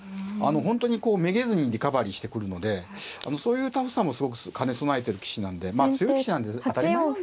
本当にこうめげずにリカバリーしてくるのでそういうタフさもすごく兼ね備えてる棋士なんでまあ強い棋士なんで当たり前なんですけどね